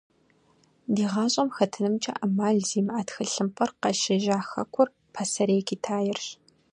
Ди гъащӏэм хэтынымкӏэ ӏэмал зимыӏэ тхылъымпӏэр къыщежьа хэкур – Пасэрей Китаирщ.